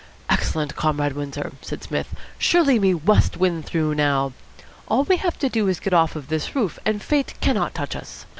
"Excellent, Comrade Windsor," said Psmith. "Surely we must win through now. All we have to do is to get off this roof, and fate cannot touch us.